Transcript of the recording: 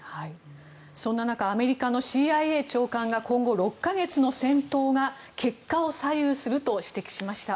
そんな中アメリカのＣＩＡ長官が今後、６か月の戦闘が結果を左右すると指摘しました。